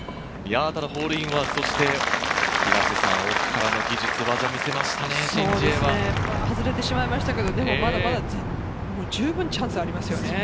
ホールインワン、そして奥からの技術を見せましたね、シン・ジエ外れてしまいましたけど、まだまだじゅうぶん、チャンスがありますよね。